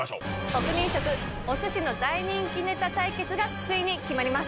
国民食お寿司の大人気ネタ対決がついに決まります。